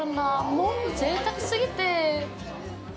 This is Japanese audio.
もうぜいたく過ぎて。